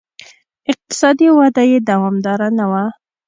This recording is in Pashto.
اقتصادي وده یې دوامداره نه وه.